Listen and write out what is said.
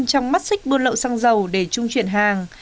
trong mắt xích buôn lậu xăng dầu để trung chuyển hàng